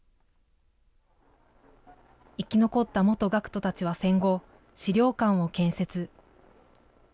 生き残った元学徒たちは戦後、資料館を建設。